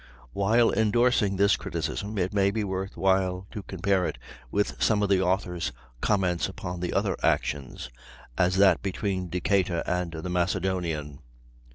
While endorsing this criticism, it may be worth while to compare it with some of the author's comments upon the other actions, as that between Decatur and the Macedonian.